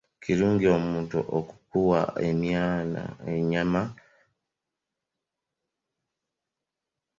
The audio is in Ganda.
Kirungi omuntu okukuwa ennyana kubanga egenda okukuzaalira ekwalize.